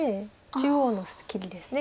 中央の切りです。